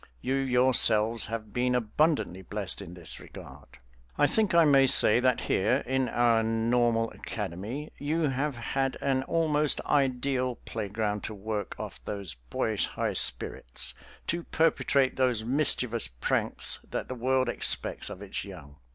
You yourselves have been abundantly blessed in this regard. I think I may say that here, in our Normal Academy, you have had an almost ideal playground to work off those boyish high spirits, to perpetrate those mischievous pranks that the world expects of its young.